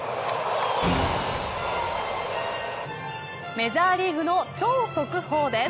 メジャーリーグの超速報です。